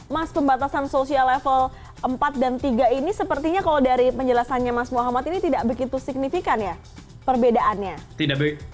mas pembatasan sosial level empat dan tiga ini sepertinya kalau dari penjelasannya mas muhammad ini tidak begitu signifikan ya perbedaannya